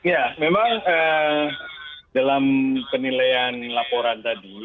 ya memang dalam penilaian laporan tadi